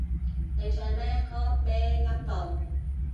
你唱咩歌咩音部